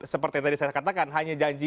seperti yang tadi saya katakan hanya janji